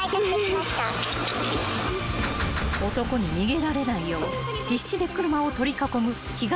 ［男に逃げられないよう必死で車を取り囲む被害者の４人］